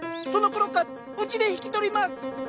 そのクロッカスうちで引き取ります！